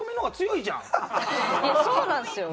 いやそうなんですよ。